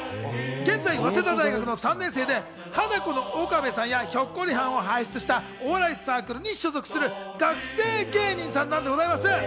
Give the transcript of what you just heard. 現在、早稲田大学の３年生で、ハナコの岡部さんやひょっこりはんを輩出したお笑いサークルに所属する学生芸人さんなんでございます。